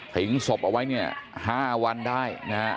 ถึงศพเอาไว้เนี่ย๕วันได้